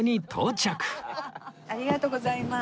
ありがとうございます。